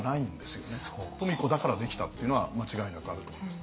富子だからできたっていうのは間違いなくあると思います。